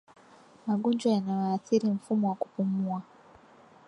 Magonjwa yanayoathiri Mfumo wa kupumua